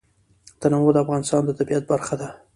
تنوع د افغانستان د طبیعت برخه ده.